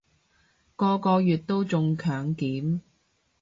個個月都中強檢